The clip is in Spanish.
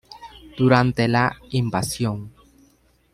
Durante la "invasión!